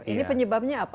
ini penyebabnya apa